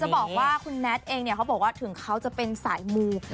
บอกว่าคุณแน็ตเองเนี่ยเขาบอกว่าถึงเขาจะเป็นสายมู